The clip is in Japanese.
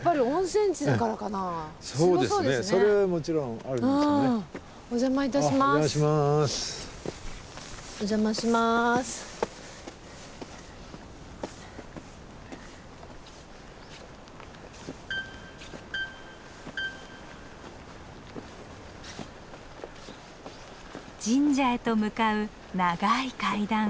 神社へと向かう長い階段。